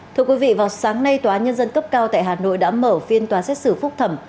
thưa quý vị vào sáng nay tòa nhân dân cấp cao tại hà nội đã mở phiên tòa xét xử phúc thẩm